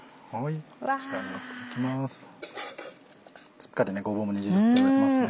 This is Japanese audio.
しっかりごぼうも煮汁吸っていますね。